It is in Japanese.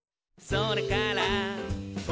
「それから」